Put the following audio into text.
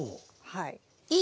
はい。